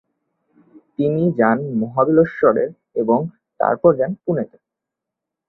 তিনি যান মহাবালেশ্বর এবং তারপর যান পুণেতে।